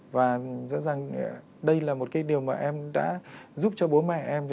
và rõ ràng đây là một cái điều mà em đã giúp cho bố mẹ em